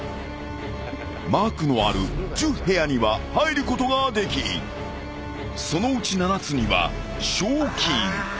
［マークのある１０部屋には入ることができそのうち７つには賞金］